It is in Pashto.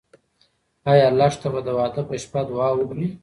ایا لښته به د واده په شپه دعا وکړي؟